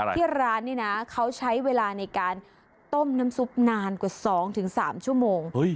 ที่ร้านนี้นะเขาใช้เวลาในการต้มน้ำซุปนานกว่า๒๓ชั่วโมง